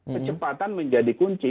kecepatan menjadi kunci